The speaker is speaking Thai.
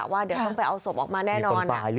ว่าเดี๋ยวต้องไปเอาศพออกมาแน่นอน